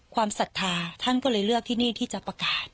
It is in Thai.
ศรัทธาท่านก็เลยเลือกที่นี่ที่จะประกาศ